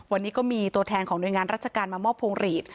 วันนี้ก็มีตัวแทนของหน่วยงานราชการมามอบพวงหลีด